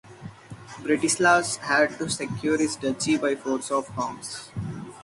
Bretislaus had to secure his duchy by force of arms.